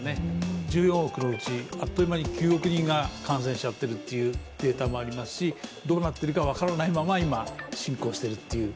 １４億のうちあっという間に９億人が感染しちゃっているというデータもありますしどうなっているか分からないまま、今、進行しているという。